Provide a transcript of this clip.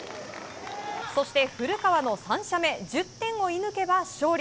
そして、古川の３射目１０点を射抜けば勝利。